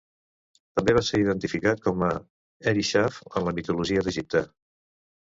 També va ser identificat com a Heryshaf en la mitologia d'Egipte.